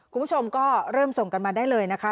คุณผู้ชมก็เริ่มส่งกันมาได้เลยนะคะ